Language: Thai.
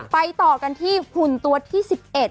ต่อกันที่หุ่นตัวที่๑๑